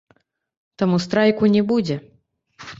Таму страйку не будзе.